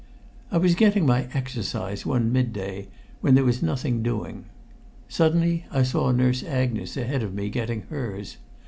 I was getting my exercise one mid day when there was nothing doing; suddenly I saw Nurse Agnes ahead of me getting hers.